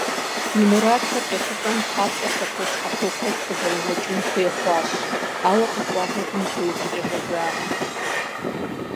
И мурадхэр къехъулӀэн папщӀэ лъэпощхьэпо куэд къызэринэкӀын хуей хъуащ, ауэ къикӀуа гъуэгум зэи хущӀегъуэжакъым.